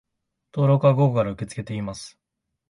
登録は午後から受け付けています